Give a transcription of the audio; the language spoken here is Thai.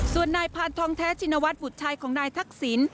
ส่วนนายพานทองแท้ชินวัฒนบุตรชายของนายทักษิณ